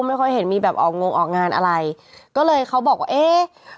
ไม่ค่อยเห็นมีแบบออกงงออกงานอะไรก็เลยเขาบอกว่าเอ๊ะ